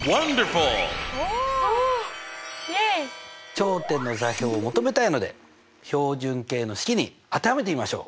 頂点の座標を求めたいので標準形の式に当てはめてみましょう。